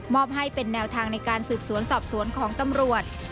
อบให้เป็นแนวทางในการสืบสวนสอบสวนของตำรวจ